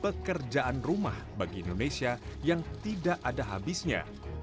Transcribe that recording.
sebuah perkembangan yang sangat menakjubkan bagi indonesia yang tidak ada habisnya